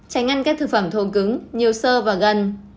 tránh ăn các thực phẩm thô cứng nhiều sơ và gân